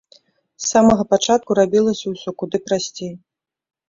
З самага пачатку рабілася ўсё куды прасцей.